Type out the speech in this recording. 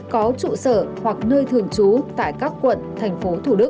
có trụ sở hoặc nơi thường trú tại các quận thành phố thủ đức